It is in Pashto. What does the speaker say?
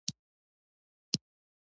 چنګلونه د افغانستان د شنو سیمو ښکلا ده.